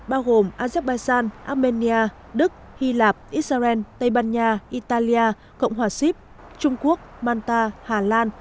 bao gồm azerbaijan armenia đức hy lạp israel tây ban nha italia cộng hòa sip trung quốc manta hà lan